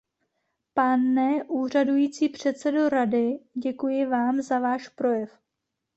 Pane úřadující předsedo Rady, děkuji vám za váš projev.